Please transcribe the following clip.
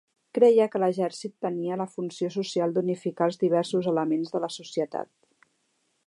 Creia que l'exèrcit tenia la funció social d'unificar els diversos elements de la societat.